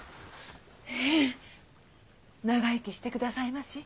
えぇ長生きしてくださいまし。